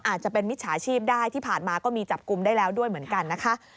อาจจะเป็นมิจฉาชีพได้ที่ผ่านมาก็มีจับกลุ่มได้แล้วด้วยเหมือนกันนะคะ